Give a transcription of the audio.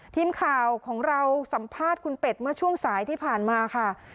ทีมข่าวของเราสัมภาษณ์คุณเป็ดเมื่อช่วงสายที่ผ่านมาค่ะ